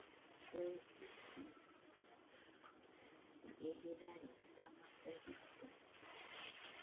Kue ukɨ ie jirari dama kue jito.